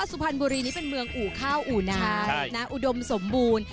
อุน้ำอุดมสมบูรณ์